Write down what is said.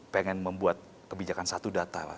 pengen membuat kebijakan satu data